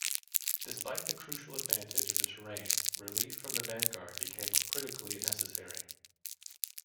Despite the crucial advantage of the terrain, relief for the vanguard became critically necessary.